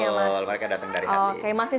betul mereka datang dari hati